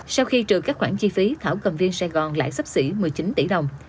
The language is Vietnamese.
sau khi trừ các khoản chi phí thảo cầm viên sài gòn lãi sắp xỉ một mươi chín tỷ đồng